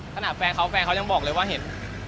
แฟนเขาแฟนเขายังบอกเลยว่าเห็น